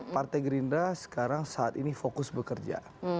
partai gerindra sekarang saat ini fokus bekerja